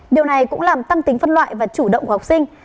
điều này cũng làm tăng tính phân loại và chủ động của học sinh